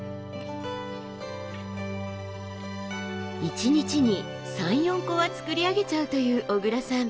一日に３４個は作り上げちゃうという小倉さん。